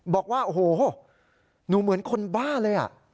บอกว่าโอ้โหหนูเหมือนคนบ้าเลย